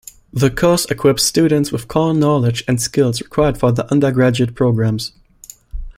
The course equips students with core knowledge and skills required for the undergraduate programmes.